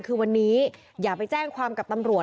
คือวันนี้อย่าไปแจ้งความกับตำรวจ